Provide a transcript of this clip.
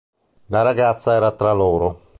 La ragazza era tra loro.